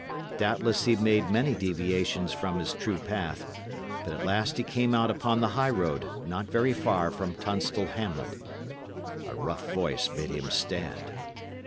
Doubtless he made many deviations from his true path, but at last he came out upon the high road, not very far from Tunstall hamlet. A rough voice bid him stand.